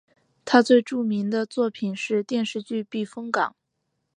他最著名的作品是电视剧避风港。